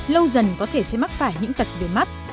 lâu dần có thể sẽ mắc phải những tật về mắt